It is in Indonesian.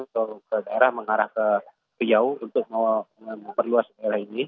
atau ke daerah mengarah ke riau untuk memperluas daerah ini